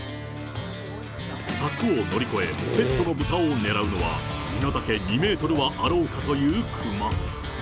柵を乗り越え、ペットのブタを狙うのは、身の丈２メートルはあろうかというクマ。